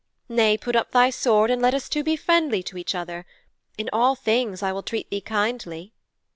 Nay, put up thy sword and let us two be friendly to each other. In all things I will treat thee kindly."'